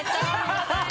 アハハハ！